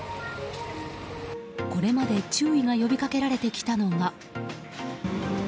これまで注意が呼びかけられてきたのが。